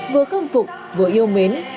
vừa khâm phục vừa yêu mến cảm thông sâu sắc